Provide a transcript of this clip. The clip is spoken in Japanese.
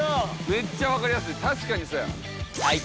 めっちゃわかりやすい。